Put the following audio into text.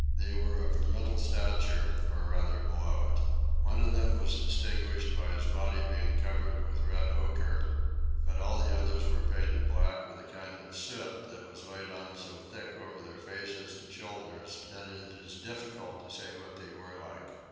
They were of a middle stature, or rather below it. One of them was distinguished by his body being coloured with red ochre, but all the others were painted black with a kind of soot which was laid on so thick over their faces and shoulders that it is difficult to say what they were like.